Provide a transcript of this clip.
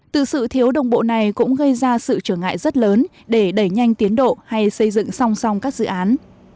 từ sự thiếu đồng bộ này cũng gây ra sự trở ngại rất lớn để đẩy nhanh tiến độ hay xây dựng song song các dự án